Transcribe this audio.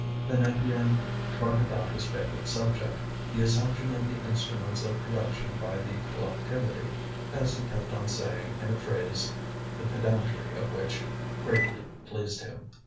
Then Étienne trotted out his favourite subject, the assumption of the instruments of production by the collectivity, as he kept on saying in a phrase the pedantry of which greatly pleased him.